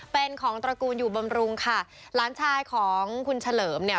เป็นของตระกูลอยู่บำรุงค่ะหลานชายของคุณเฉลิมเนี่ย